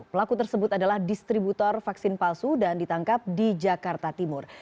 pelaku tersebut adalah distributor vaksin palsu dan ditangkap di jakarta timur